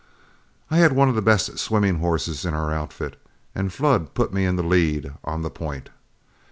I had one of the best swimming horses in our outfit, and Flood put me in the lead on the point.